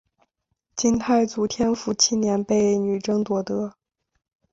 金太祖天辅七年被女真夺得。